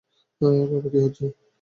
বাবা, কি হচ্ছে?